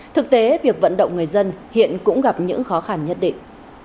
thực tế việc vận động người dân hiện cũng gặp những khó khăn nhất định